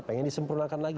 pengen disempurnakan lagi